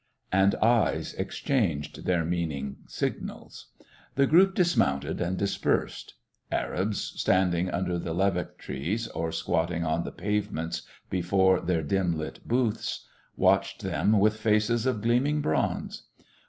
And eyes exchanged their meaning signals. The group dismounted and dispersed. Arabs standing under the lebbekh trees, or squatting on the pavements before their dim lit booths, watched them with faces of gleaming bronze.